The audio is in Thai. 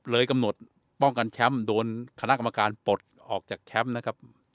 กำหนดป้องกันแชมป์โดนคณะกรรมการปลดออกจากแชมป์นะครับ